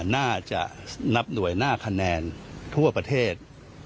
น่าจะนับหน่วยหน้าคะแนนทั่วประเทศ